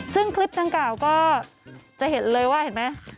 ซึ่งคลิปดังกล่าวก็จะเห็นเลยว่าเห็นไหม